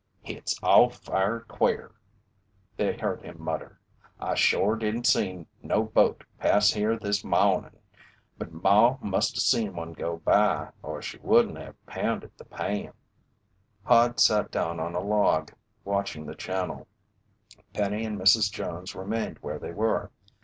"Hit's all fired queer," they heard him mutter. "I shore didn't see no boat pass here this mawnin'. But Maw musta seen one go by or she wouldn't heve pounded the pan." Hod sat down on a log, watching the channel. Penny and Mrs. Jones remained where they were.